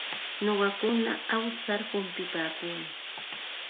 Nuqaku awsar humpipaakuumi.